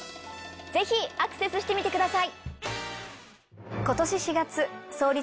ぜひアクセスしてみてください！